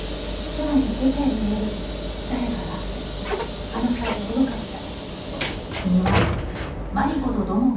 つまり事件の夜誰かがあのカエルを動かした。